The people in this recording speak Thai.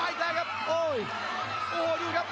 หัวจิตหัวใจแก่เกินร้อยครับ